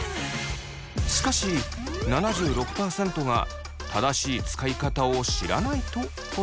しかし７６％が「正しい使い方を知らない」と答えています。